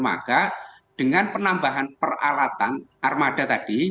maka dengan penambahan peralatan armada tadi